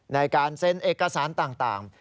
ในการเซ็นเอกสารต่าง